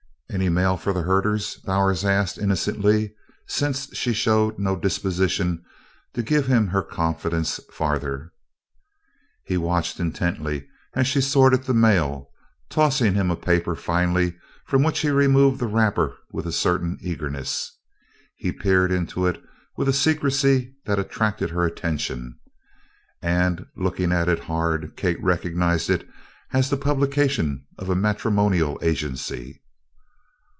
"Any mail for the herders?" Bowers asked, innocently, since she showed no disposition to give him her confidence farther. He watched her intently as she sorted the mail, tossing him a paper finally from which he removed the wrapper with a certain eagerness. He peered into it with a secrecy that attracted her attention, and, looking at it hard, Kate recognized it as the publication of a matrimonial agency.